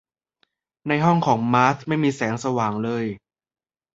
ในห้องของมาร์ธไม่มีแสงสว่างเลย